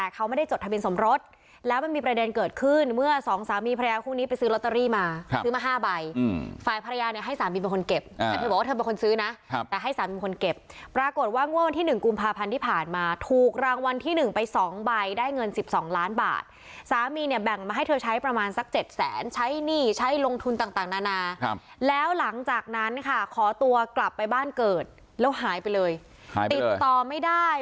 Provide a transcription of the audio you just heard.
ขอตัวกลับไปบ้านเกิดแล้วหายไปเลยติดต่อไม่ได้